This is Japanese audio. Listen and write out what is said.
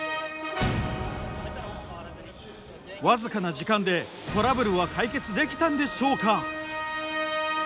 僅かな時間でトラブルは解決できたんでしょうか。